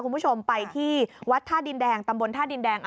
คุณผู้ชมไปที่วัดท่าดินแดงตำบลท่าดินแดง